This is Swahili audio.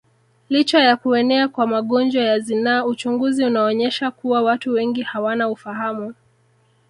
Licha ya kuenea kwa magonjwa ya zinaa uchunguzi unaonyesha kuwa watu wengi hawana ufahamu